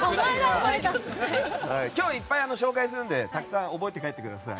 今日いっぱい紹介するのでたくさん覚えて帰ってください。